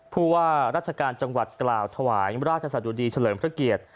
ผู้ว่าราชการจังหวัดกล่าวถวายราชสะดุดีเฉลิมพระเกียรติ